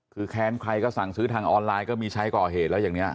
คือแค้นใครก็สั่งซื้อทางออนไลน์ก็มีใช้ก่อเหตุแล้วอย่างนี้